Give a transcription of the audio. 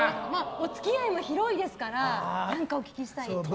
お付き合いも広いですからお聞きしたいというか。